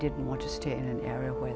dan mereka mengatakan karena perjuangan